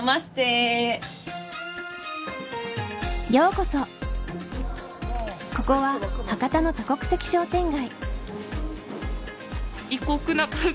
ようこそ、ここは博多の多国籍商店街。